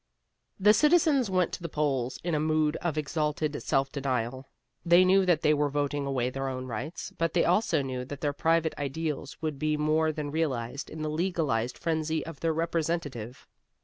The citizens went to the polls in a mood of exalted self denial. They knew that they were voting away their own rights, but they also knew that their private ideals would be more than realized in the legalized frenzy of their representative.